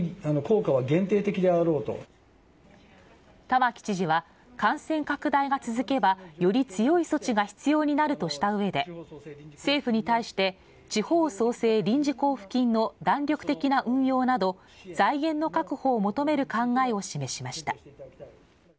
玉城知事は感染拡大が続けばより強い措置が必要になるとした上で政府に対して地方創生臨時交付金の弾力的な運用など財源の確保を求める考えを示しました。